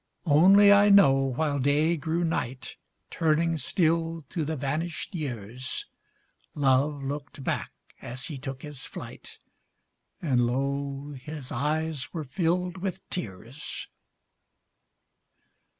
Only I know while day grew night, Turning still to the vanished years, Love looked back as he took his flight, And lo, his eyes were filled with tears.